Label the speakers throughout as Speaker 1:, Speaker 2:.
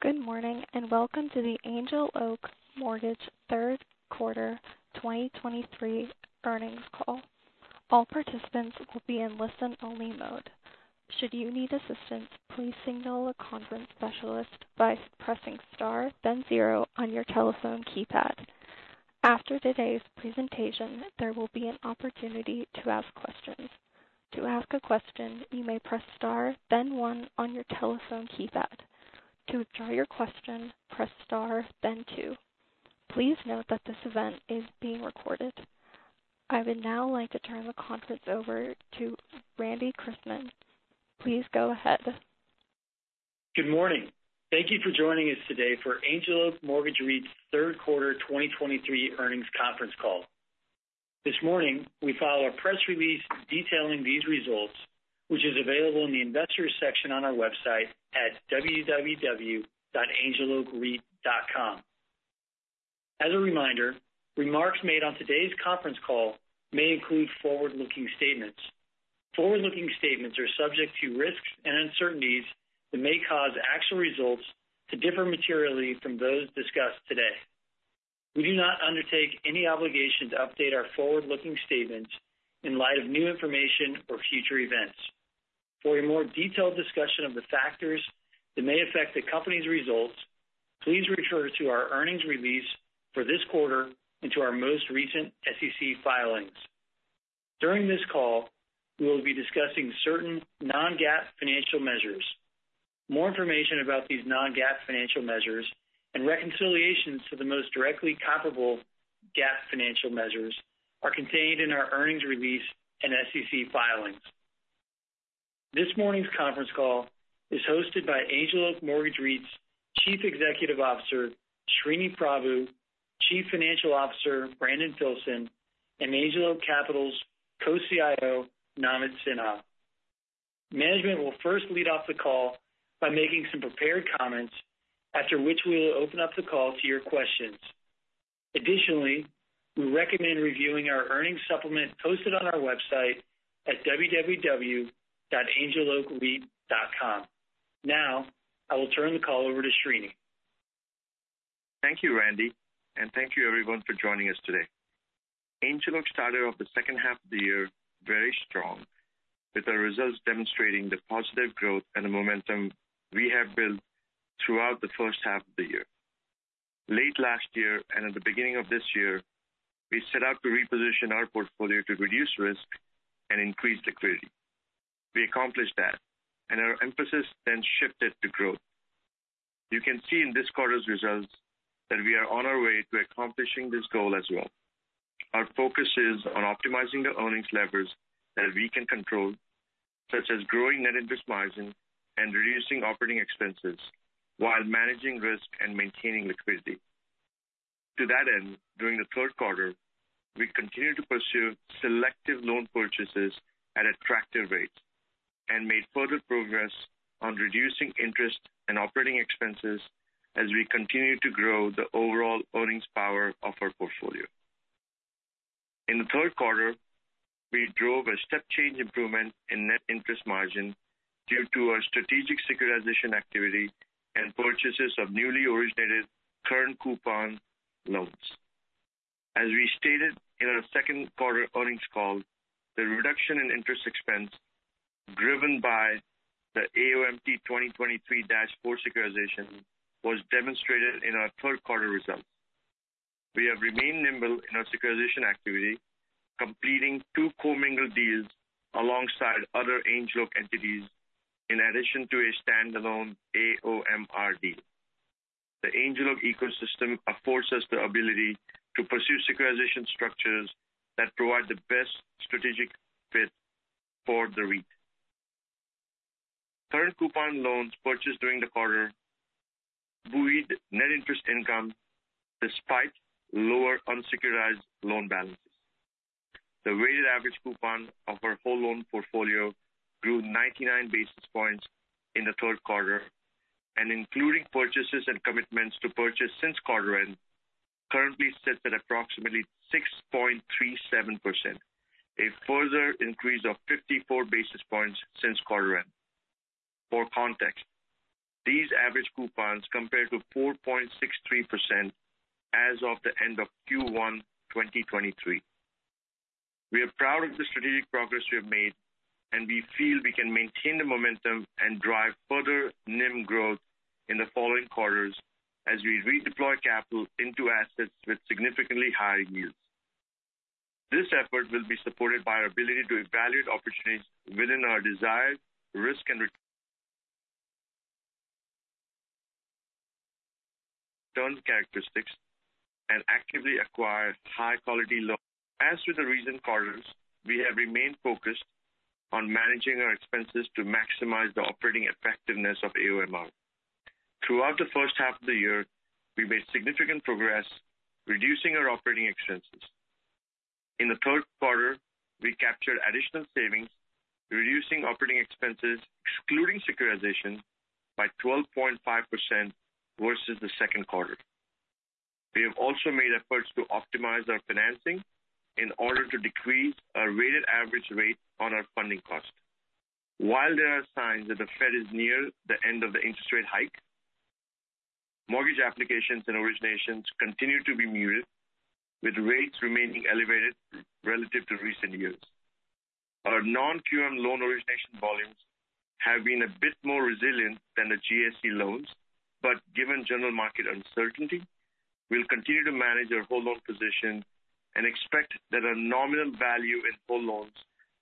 Speaker 1: Good morning, and welcome to the Angel Oak Mortgage Third Quarter 2023 Earnings Call. All participants will be in listen-only mode. Should you need assistance, please signal a conference specialist by pressing star, then zero on your telephone keypad. After today's presentation, there will be an opportunity to ask questions. To ask a question, you may press star, then one on your telephone keypad. To withdraw your question, press star, then two. Please note that this event is being recorded. I would now like to turn the conference over to Randy Chrisman. Please go ahead.
Speaker 2: Good morning. Thank you for joining us today for Angel Oak Mortgage REIT's third quarter 2023 earnings conference call. This morning, we file a press release detailing these results, which is available in the Investors section on our website at www.angeloakreit.com. As a reminder, remarks made on today's conference call may include forward-looking statements. Forward-looking statements are subject to risks and uncertainties that may cause actual results to differ materially from those discussed today. We do not undertake any obligation to update our forward-looking statements in light of new information or future events. For a more detailed discussion of the factors that may affect the company's results, please refer to our earnings release for this quarter and to our most recent SEC filings. During this call, we will be discussing certain non-GAAP financial measures. More information about these non-GAAP financial measures and reconciliations to the most directly comparable GAAP financial measures are contained in our earnings release and SEC filings. This morning's conference call is hosted by Angel Oak Mortgage REIT's Chief Executive Officer, Sreeni Prabhu, Chief Financial Officer, Brandon Filson, and Angel Oak Capital's Co-CIO, Namit Sinha. Management will first lead off the call by making some prepared comments, after which we will open up the call to your questions. Additionally, we recommend reviewing our earnings supplement posted on our website at www.angeloakreit.com. Now, I will turn the call over to Sreeni.
Speaker 3: Thank you, Randy, and thank you everyone for joining us today. Angel Oak started off the second half of the year very strong, with our results demonstrating the positive growth and the momentum we have built throughout the first half of the year. Late last year, and at the beginning of this year, we set out to reposition our portfolio to reduce risk and increase liquidity. We accomplished that, and our emphasis then shifted to growth. You can see in this quarter's results that we are on our way to accomplishing this goal as well. Our focus is on optimizing the earnings levers that we can control, such as growing Net Interest Margin and reducing operating expenses while managing risk and maintaining liquidity. To that end, during the third quarter, we continued to pursue selective loan purchases at attractive rates and made further progress on reducing interest and operating expenses as we continue to grow the overall earnings power of our portfolio. In the third quarter, we drove a step change improvement in Net Interest Margin due to our strategic securitization activity and purchases of newly originated current coupon loans. As we stated in our second quarter earnings call, the reduction in interest expense, driven by the AOMT 2023-4 securitization, was demonstrated in our third quarter results. We have remained nimble in our securitization activity, completing two commingled deals alongside other Angel Oak entities, in addition to a standalone AOMRD. The Angel Oak ecosystem affords us the ability to pursue securitization structures that provide the best strategic fit for the REIT. Current coupon loans purchased during the quarter buoyed net interest income despite lower unsecuritized loan balances. The weighted average coupon of our whole loan portfolio grew 99 basis points in the third quarter and including purchases and commitments to purchase since quarter end, currently sits at approximately 6.37%, a further increase of 54 basis points since quarter end. For context, these average coupons compare to 4.63% as of the end of Q1 2023. We are proud of the strategic progress we have made, and we feel we can maintain the momentum and drive further NIM growth in the following quarters as we redeploy capital into assets with significantly higher yields. This effort will be supported by our ability to evaluate opportunities within our desired risk and return characteristics and actively acquire high-quality loans. As with the recent quarters, we have remained focused on managing our expenses to maximize the operating effectiveness of AOMR. Throughout the first half of the year, we made significant progress reducing our operating expenses. In the third quarter, we captured additional savings, reducing operating expenses, excluding securitization, by 12.5% versus the second quarter. We have also made efforts to optimize our financing in order to decrease our weighted average rate on our funding cost. While there are signs that the Fed is near the end of the interest rate hike, mortgage applications and originations continue to be muted, with rates remaining elevated relative to recent years. Our non-QM loan origination volumes have been a bit more resilient than the GSE loans, but given general market uncertainty, we'll continue to manage our whole loan position and expect that our nominal value in whole loans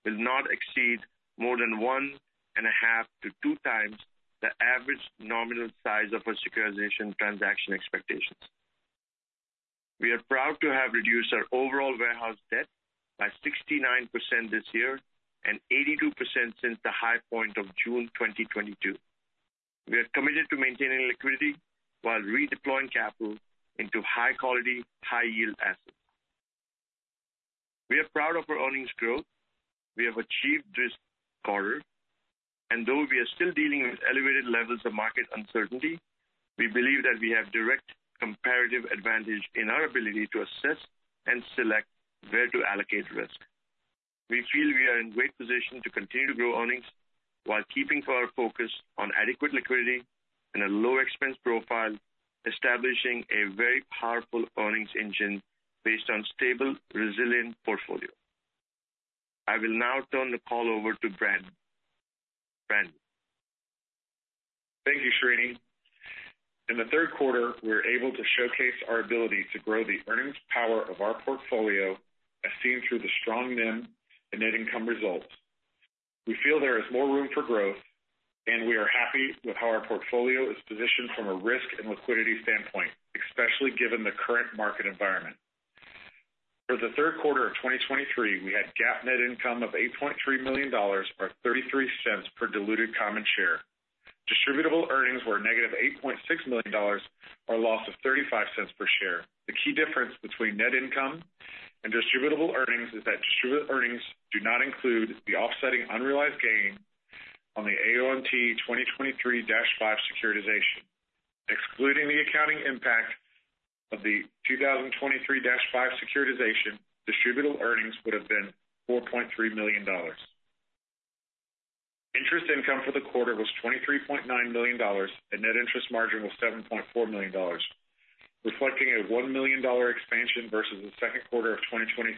Speaker 3: will not exceed more than 1.5 x-2x the average nominal size of our securitization transaction expectations. We are proud to have reduced our overall warehouse debt by 69% this year and 82% since the high point of June 2022. We are committed to maintaining liquidity while redeploying capital into high quality, high yield assets. We are proud of our earnings growth. We have achieved this quarter, and though we are still dealing with elevated levels of market uncertainty, we believe that we have direct comparative advantage in our ability to assess and select where to allocate risk. We feel we are in great position to continue to grow earnings while keeping our focus on adequate liquidity and a low expense profile, establishing a very powerful earnings engine based on stable, resilient portfolio. I will now turn the call over to Brandon. Brandon?
Speaker 4: Thank you, Sreeni. In the third quarter, we were able to showcase our ability to grow the earnings power of our portfolio, as seen through the strong NIM and net income results. We feel there is more room for growth, and we are happy with how our portfolio is positioned from a risk and liquidity standpoint, especially given the current market environment. For the third quarter of 2023, we had GAAP net income of $8.3 million, or $0.33 per diluted common share. Distributable earnings were -$8.6 million, or a loss of $0.35 per share. The key difference between net income and distributable earnings is that distributable earnings do not include the offsetting unrealized gain on the AOMT 2023-5 securitization. Excluding the accounting impact of the 2023-5 securitization, distributable earnings would have been $4.3 million. Interest income for the quarter was $23.9 million, and Net Interest Margin was $7.4 million, reflecting a $1 million expansion versus the second quarter of 2023.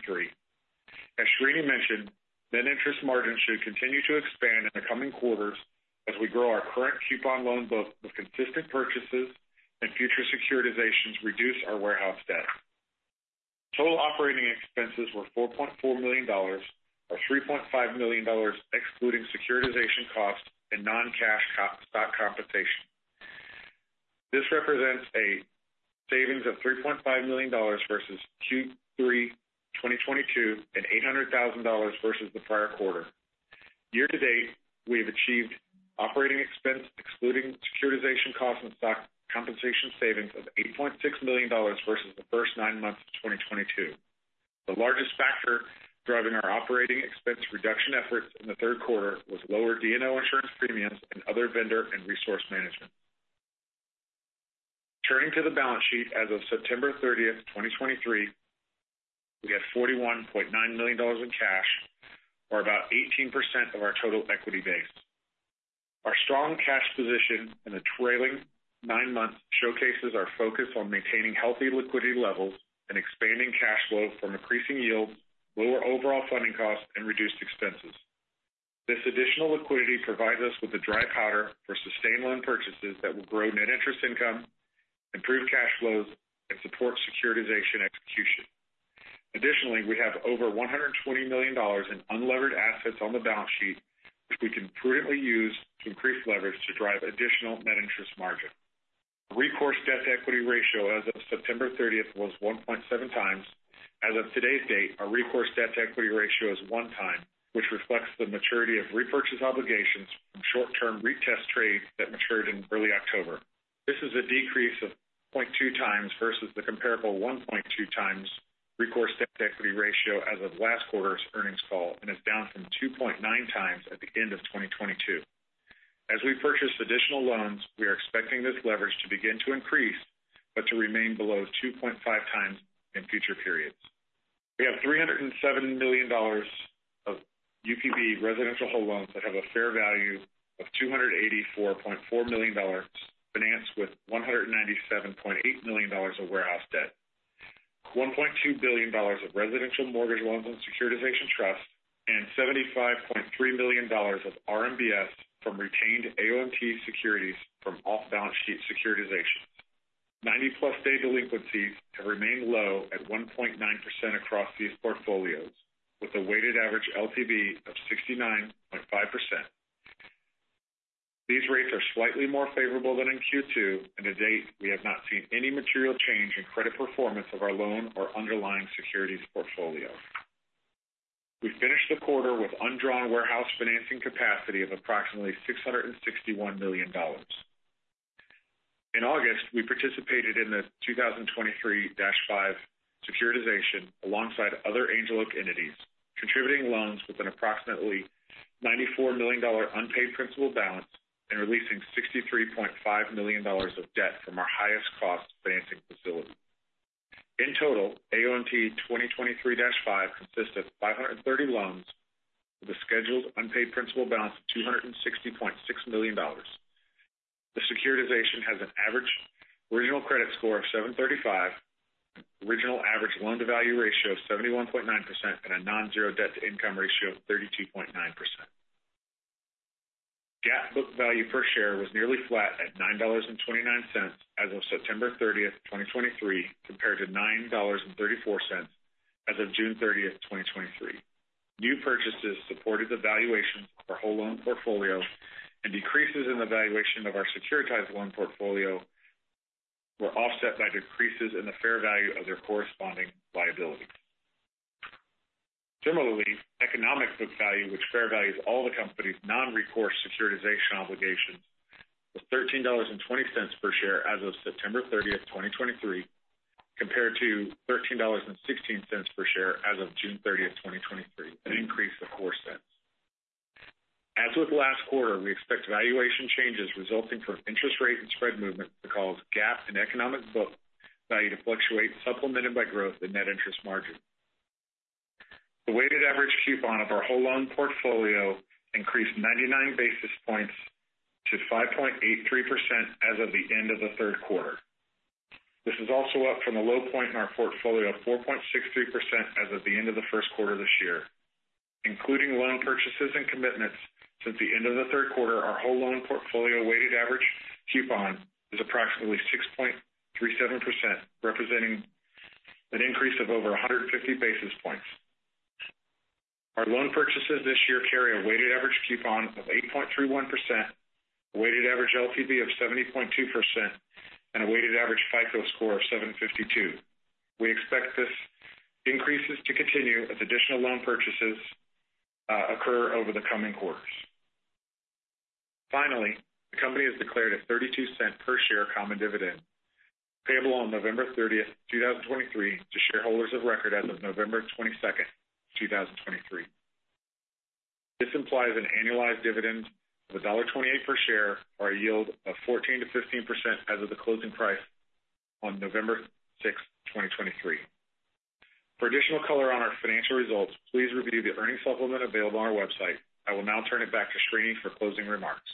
Speaker 4: As Sreeni mentioned, Net Interest Margin should continue to expand in the coming quarters as we grow our current coupon loan book with consistent purchases and future securitizations reduce our warehouse debt. Total operating expenses were $4.4 million, or $3.5 million, excluding securitization costs and non-cash stock compensation. This represents a savings of $3.5 million versus Q3 2022 and $800,000 versus the prior quarter. Year to date, we have achieved operating expense, excluding securitization costs and stock compensation savings of $8.6 million versus the first nine months of 2022. The largest factor driving our operating expense reduction efforts in the third quarter was lower D&O insurance premiums and other vendor and resource management. Turning to the balance sheet, as of September 30th, 2023, we had $41.9 million in cash, or about 18% of our total equity base. Our strong cash position in the trailing nine months showcases our focus on maintaining healthy liquidity levels and expanding cash flow from increasing yields, lower overall funding costs, and reduced expenses. This additional liquidity provides us with a dry powder for sustained loan purchases that will grow net interest income, improve cash flows, and support securitization execution. Additionally, we have over $120 million in unlevered assets on the balance sheet, which we can prudently use to increase leverage to drive additional Net Interest Margin. Our recourse debt-to-equity ratio as of September 30th was 1.7x. As of today's date, our recourse debt-to-equity ratio is 1x, which reflects the maturity of repurchase obligations from short-term [repos] trades that matured in early October. This is a decrease of 0.2x versus the comparable 1.2x recourse debt-to-equity ratio as of last quarter's earnings call, and is down from 2.9x at the end of 2022. As we purchase additional loans, we are expecting this leverage to begin to increase, but to remain below 2.5x in future periods. We have $307 million of UPB residential whole loans that have a fair value of $284.4 million, financed with $197.8 million of warehouse debt. $1.2 billion of residential mortgage loans on securitization trusts and $75.3 million of RMBS from retained AOMT securities from off-balance sheet securitizations. 90+ day delinquencies have remained low at 1.9% across these portfolios, with a Weighted Average LTV of 69.5%. These rates are slightly more favorable than in Q2, and to date, we have not seen any material change in credit performance of our loan or underlying securities portfolio. We finished the quarter with undrawn warehouse financing capacity of approximately $661 million. In August, we participated in the AOMT 2023-5 securitization alongside other Angel Oak entities, contributing loans with an approximately $94 million unpaid principal balance and releasing $63.5 million of debt from our highest cost financing facility. In total, AOMT 2023-5 consists of 530 loans with a scheduled unpaid principal balance of $260.6 million. The securitization has an average original credit score of 735, original average Loan-to-Value ratio of 71.9%, and a non-zero debt-to-income ratio of 32.9%. GAAP book value per share was nearly flat at $9.29 as of September 30th, 2023, compared to $9.34 as of June 30th, 2023. New purchases supported the valuation of our whole loan portfolio, and decreases in the valuation of our securitized loan portfolio were offset by decreases in the fair value of their corresponding liabilities. Similarly, economic book value, which fair values all the company's non-recourse securitization obligations, was $13.20 per share as of September 30th, 2023, compared to $13.16 per share as of June 30th, 2023, an increase of $0.04. As with last quarter, we expect valuation changes resulting from interest rate and spread movement to cause GAAP and economic book value to fluctuate, supplemented by growth in Net Interest Margin. The weighted average coupon of our whole loan portfolio increased 99 basis points to 5.83% as of the end of the third quarter. This is also up from a low point in our portfolio of 4.63% as of the end of the first quarter this year. Including loan purchases and commitments since the end of the third quarter, our whole loan portfolio weighted average coupon is approximately 6.37%, representing an increase of over 150 basis points. Our loan purchases this year carry a weighted average coupon of 8.31%, a Weighted Average LTV of 70.2%, and a weighted average FICO score of 752. We expect this increases to continue as additional loan purchases occur over the coming quarters. Finally, the company has declared a $0.32 per share common dividend, payable on November 30th, 2023, to shareholders of record as of November 22nd, 2023. This implies an annualized dividend of $1.28 per share, or a yield of 14%-15% as of the closing price on November 6th, 2023. For additional color on our financial results, please review the earnings supplement available on our website. I will now turn it back to Sreeni for closing remarks.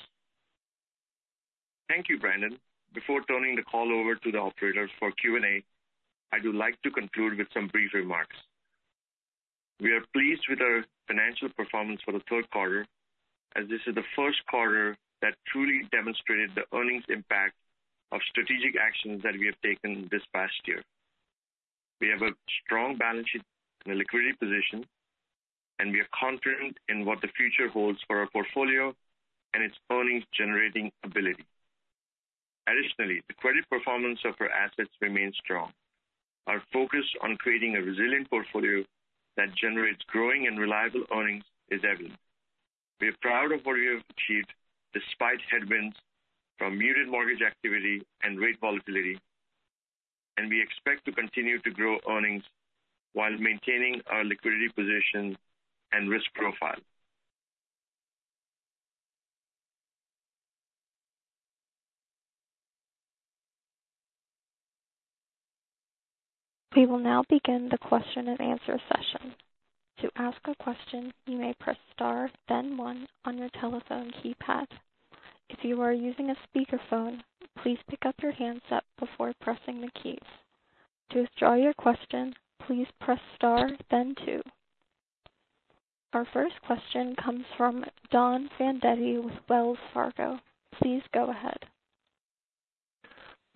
Speaker 3: Thank you, Brandon. Before turning the call over to the operators for Q&A, I would like to conclude with some brief remarks. We are pleased with our financial performance for the third quarter, as this is the first quarter that truly demonstrated the earnings impact of strategic actions that we have taken this past year. We have a strong balance sheet and a liquidity position, and we are confident in what the future holds for our portfolio and its earnings-generating ability. Additionally, the credit performance of our assets remains strong. Our focus on creating a resilient portfolio that generates growing and reliable earnings is evident. We are proud of what we have achieved despite headwinds from muted mortgage activity and rate volatility, and we expect to continue to grow earnings while maintaining our liquidity position and risk profile.
Speaker 1: We will now begin the question-and-answer session. To ask a question, you may press star, then one on your telephone keypad. If you are using a speakerphone, please pick up your handset before pressing the keys. To withdraw your question, please press star then two. Our first question comes from Don Fandetti with Wells Fargo. Please go ahead.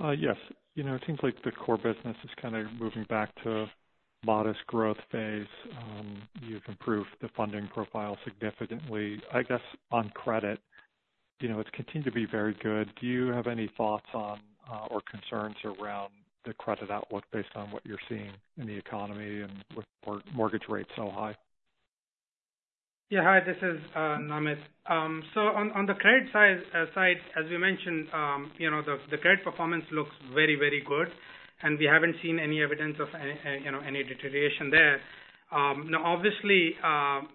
Speaker 5: Yes. You know, it seems like the core business is kind of moving back to modest growth phase. You've improved the funding profile significantly. I guess, on credit, you know, it's continued to be very good. Do you have any thoughts on, or concerns around the credit outlook based on what you're seeing in the economy and with mortgage rates so high?
Speaker 6: Yeah. Hi, this is Namit. So on the credit side, as you mentioned, you know, the credit performance looks very, very good, and we haven't seen any evidence of any, you know, any deterioration there. Now, obviously,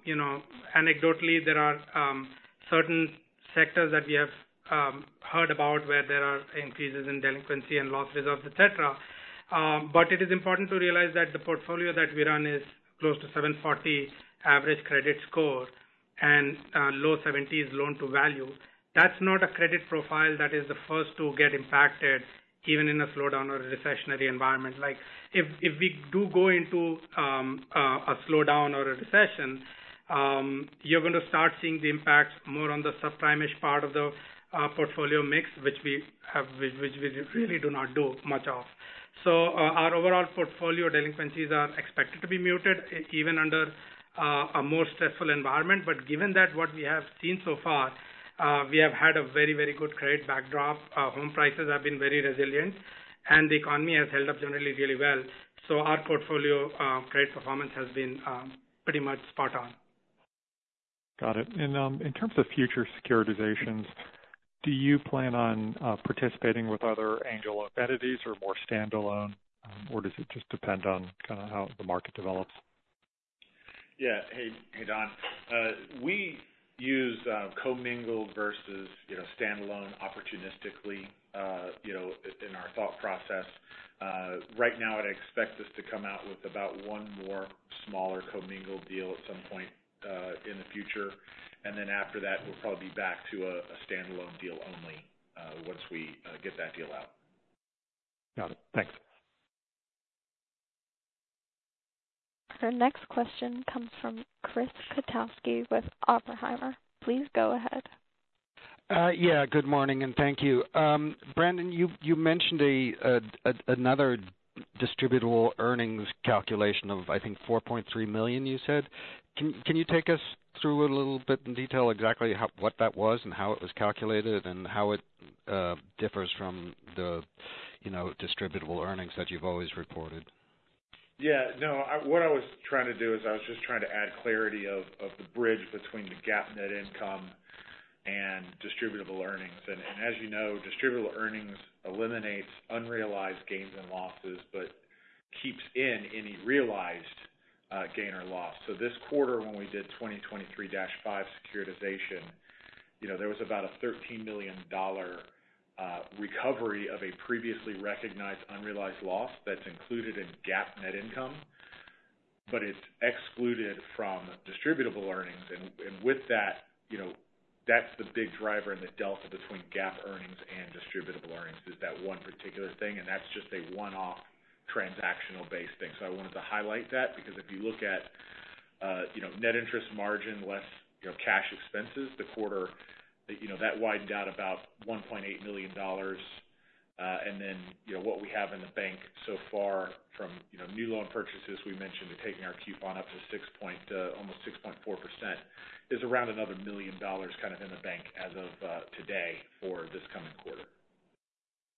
Speaker 6: you know, anecdotally, there are certain sectors that we have heard about where there are increases in delinquency and losses et cetera. But it is important to realize that the portfolio that we're on is close to 740 average credit score and low 70s Loan-to-Value. That's not a credit profile that is the first to get impacted even in a slowdown or a recessionary environment. Like, if we do go into a slowdown or a recession, you're going to start seeing the impacts more on the subprime-ish part of the portfolio mix, which we really do not do much of. So our overall portfolio delinquencies are expected to be muted, even under a more stressful environment. But given that what we have seen so far, we have had a very, very good credit backdrop. Our home prices have been very resilient, and the economy has held up generally really well. So our portfolio credit performance has been pretty much spot on....
Speaker 5: Got it. And, in terms of future securitizations, do you plan on participating with other Angel Oak entities or more standalone, or does it just depend on kind of how the market develops?
Speaker 4: Yeah. Hey, hey, Don. We use commingled versus, you know, standalone opportunistically, you know, in our thought process. Right now, I'd expect us to come out with about one more smaller commingled deal at some point in the future. And then after that, we'll probably be back to a standalone deal only once we get that deal out.
Speaker 5: Got it. Thanks.
Speaker 1: Our next question comes from Chris Kotowski with Oppenheimer. Please go ahead.
Speaker 7: Yeah, good morning, and thank you. Brandon, you mentioned another distributable earnings calculation of, I think, $4.3 million, you said. Can you take us through a little bit in detail exactly how, what that was and how it was calculated and how it differs from the, you know, distributable earnings that you've always reported?
Speaker 4: Yeah, no, what I was trying to do is I was just trying to add clarity of the bridge between the GAAP net income and distributable earnings. And as you know, distributable earnings eliminates unrealized gains and losses, but keeps in any realized gain or loss. So this quarter, when we did 2023-5 securitization, you know, there was about a $13 million recovery of a previously recognized unrealized loss that's included in GAAP net income, but it's excluded from distributable earnings. And with that, you know, that's the big driver in the delta between GAAP earnings and distributable earnings is that one particular thing, and that's just a one-off transactional-based thing. So I wanted to highlight that, because if you look at, you know, Net Interest Margin, less, you know, cash expenses, the quarter, you know, that widened out about $1.8 million. And then, you know, what we have in the bank so far from, you know, new loan purchases, we mentioned taking our coupon up to almost 6.4%, is around another $1 million kind of in the bank as of today for this coming quarter.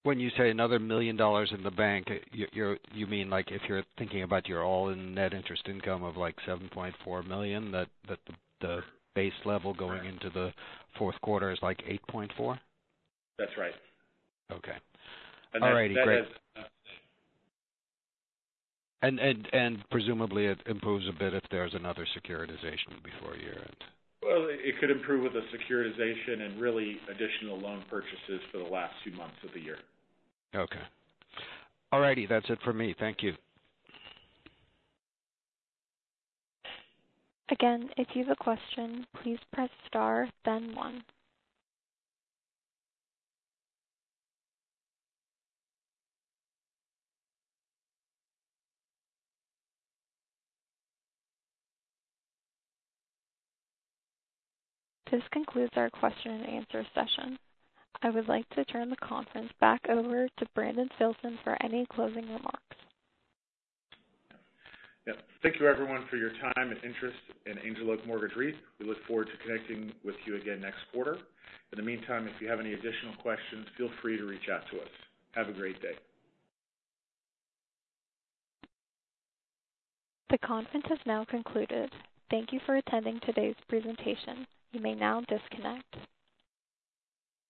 Speaker 7: When you say another $1 million in the bank, you're, you mean like if you're thinking about your all-in net interest income of, like, $7.4 million, that, that the base level going into the fourth quarter is, like, $8.4 million?
Speaker 4: That's right.
Speaker 7: Okay.
Speaker 4: And that is-
Speaker 7: All right, great. And presumably, it improves a bit if there's another securitization before year end.
Speaker 4: Well, it could improve with the securitization and really additional loan purchases for the last two months of the year.
Speaker 7: Okay. All righty, that's it for me. Thank you.
Speaker 1: Again, if you have a question, please press star then one. This concludes our question and answer session. I would like to turn the conference back over to Brandon Filson for any closing remarks.
Speaker 4: Yep. Thank you, everyone, for your time and interest in Angel Oak Mortgage REIT. We look forward to connecting with you again next quarter. In the meantime, if you have any additional questions, feel free to reach out to us. Have a great day.
Speaker 1: The conference has now concluded. Thank you for attending today's presentation. You may now disconnect.